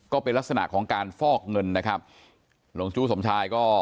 ก็เป็นลักษณะของการฟอกเงินนะครับหลงจู้สมชายก็